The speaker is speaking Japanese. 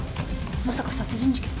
まさか殺人事件？